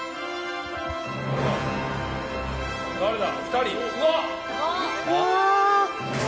誰だ？